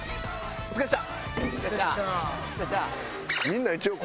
お疲れっした！